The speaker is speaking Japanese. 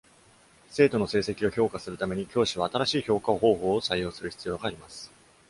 生徒の成績を評価するために、教師は新しい評価方法を採用する必要があります。